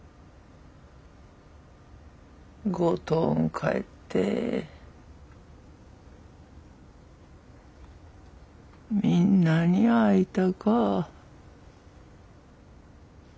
五島ん帰ってみんなに会いたか。